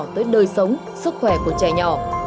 tới đời sống sức khỏe của trẻ nhỏ